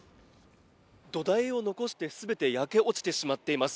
土台を残して、全て焼け落ちてしまっています。